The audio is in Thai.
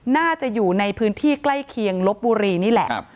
น่าจะอยู่ในพื้นที่ใกล้เคียงลบบุรีนี่แหละ